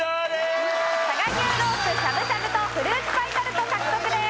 佐賀牛ロースしゃぶしゃぶとフルーツパイタルト獲得です。